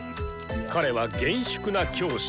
彼は厳粛な教師。